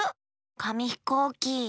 かみひこうき。